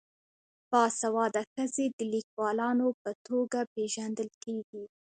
باسواده ښځې د لیکوالانو په توګه پیژندل کیږي.